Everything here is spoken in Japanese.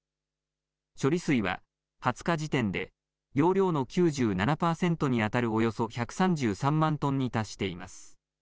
処理水は２０日時点で、容量の９７％に当たるおよそ１３３万トンに達しています。